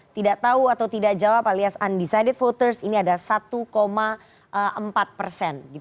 tidak tahu atau tidak jawab alias undecided voters ini ada satu empat persen